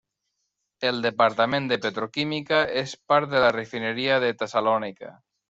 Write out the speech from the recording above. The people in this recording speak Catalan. El departament de petroquímica és part de la refineria de Tessalònica.